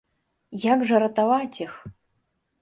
Як жа ратаваць іх?